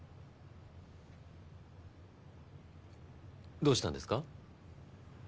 どうしたんですか？